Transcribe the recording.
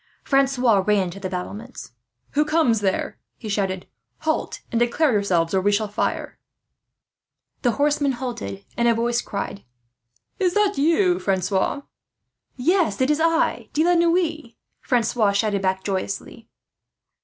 Francois ran to the battlements. "Who comes there?" he shouted. "Halt and declare yourselves, or we fire." The horsemen halted, and a voice cried: "Is that you, Francois?" "Yes, it is I, De la Noue," Francois shouted back joyously.